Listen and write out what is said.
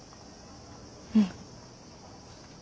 うん。